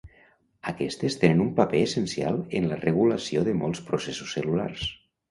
Aquestes tenen un paper essencial en la regulació de molts processos cel·lulars.